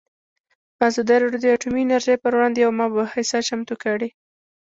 ازادي راډیو د اټومي انرژي پر وړاندې یوه مباحثه چمتو کړې.